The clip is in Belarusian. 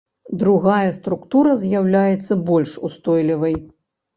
Другая структура з'яўляецца больш устойлівай.